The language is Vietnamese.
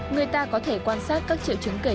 người ta có thể quan sát các triệu chứng kể